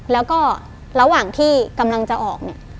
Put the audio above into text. แล้วก็ระหว่างที่กำลังจะออกเนี่ย